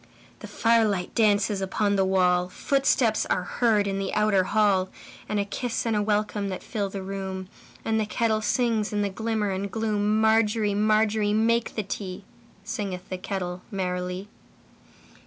The firelight dances upon the wall, Footsteps are heard in the outer hall, And a kiss and a welcome that fill the room, And the kettle sings in the glimmer and gloom. Margery, Margery, make the tea, Singeth the kettle merrily.